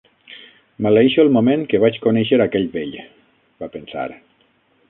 Maleeixo el moment que vaig conèixer aquell vell, va pensar.